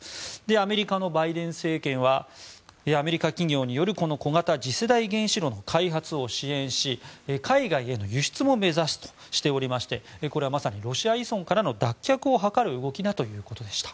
アメリカのバイデン政権はアメリカ企業による小型次世代原子炉の開発を支援し海外への輸出も目指すとしておりましてこれはまさにロシア依存からの脱却を図る動きだということでした。